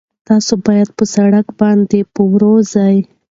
تاسي باید په سړک باندې په ورو ځئ.